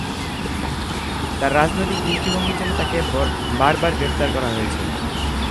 তার রাজনৈতিক দৃষ্টিভঙ্গির জন্য তাকে বারবার গ্রেপ্তার করা হয়েছে।